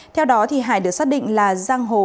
theo đó hải được xác định là giang hồ